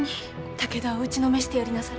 武田を打ちのめしてやりなされ。